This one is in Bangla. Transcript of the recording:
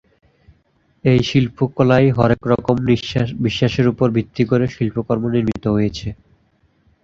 এই শিল্পকলায় হরেক রকম বিশ্বাসের উপরে ভিত্তি করে শিল্পকর্ম নির্মিত হয়েছে।